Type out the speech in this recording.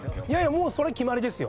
もうそれ決まりですよ。